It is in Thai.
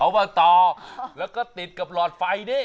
เอามาต่อแล้วก็ติดกับหลอดไฟเนี่ย